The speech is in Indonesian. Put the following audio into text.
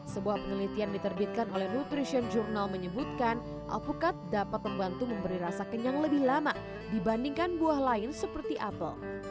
sebuah penelitian diterbitkan oleh nutrition journal menyebutkan alpukat dapat membantu memberi rasa kenyang lebih lama dibandingkan buah lain seperti apel